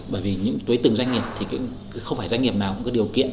bởi vì tới từng doanh nghiệp thì không phải doanh nghiệp nào cũng có điều kiện